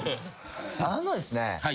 あのですね